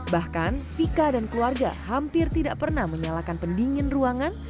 bahkan vika dan keluarga hampir tidak pernah menyalakan pendingin ruangan